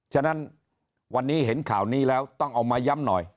ฉะนั้นวันนี้เห็นข่าวนี้แล้วต้องเอามาย้ำหน่อย